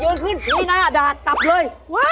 เยินขึ้นช้างที่หน้าดาดจับเลย